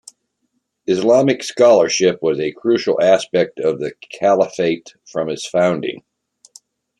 Islamic scholarship was a crucial aspect of the Caliphate from its founding.